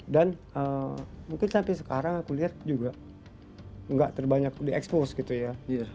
dan mungkin sampai sekarang aku lihat juga nggak terbanyak diekspos gitu ya